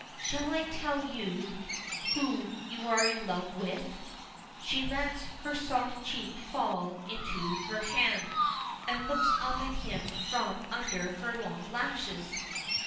Shall I tell you who you are in love with?" She lets her soft cheek fall into her hand and looks up at him from under her long lashes.